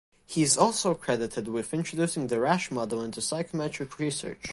He is also credited with introducing the Rasch model into psychometric research.